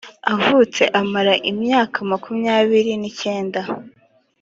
avutse amara imyaka makumyabiri n icyenda